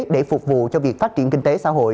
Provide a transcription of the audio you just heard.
để phục vụ cho việc phát triển kinh tế xã hội